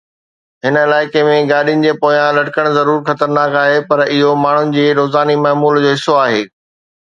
هن علائقي ۾ گاڏين جي پويان لٽڪڻ ضرور خطرناڪ آهي، پر اهو ماڻهن جي روزاني معمول جو حصو آهي.